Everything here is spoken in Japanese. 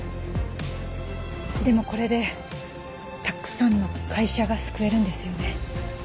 でもこれでたくさんの会社が救えるんですよね。